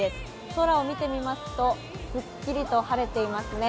空を見てみますとすっきりと晴れていますね。